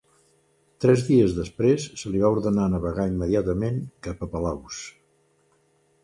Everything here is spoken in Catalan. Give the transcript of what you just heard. Tres dies després, se li va ordenar navegar immediatament cap a Palaus.